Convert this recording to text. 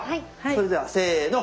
それではせーの！